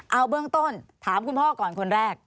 เอาเบื้องต้นถามคุณพ่อก่อนคนแรก